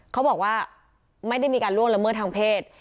เขาบอกว่าไม่ได้มีการล่วงละเมิดทางเพศ